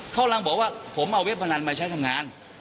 เขากำลังบอกว่าผมเอาเว็บพนันมาใช้ทำงาน